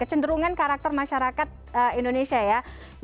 kecenderungan karakter masyarakat indonesia ya